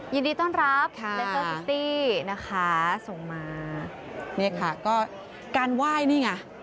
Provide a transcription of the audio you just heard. ยินดีต้อนรับค่ะนะคะส่งมาเนี่ยค่ะก็การไหว้นี่ไง